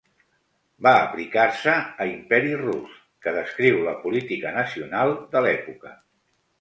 Va aplicar-se a Imperi rus, que descriu la política nacional de l'època.